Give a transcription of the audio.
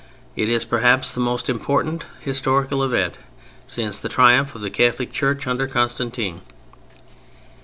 It is perhaps the most important historical event since the triumph of the Catholic Church under Constantine.